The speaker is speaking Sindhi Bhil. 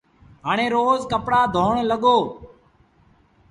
هآڻي روز ڪپڙآ ڌوڻ لڳو۔